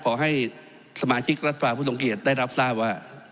ขอให้สมาชิกรัฐสภาผู้ทรงเกียจได้รับทราบว่า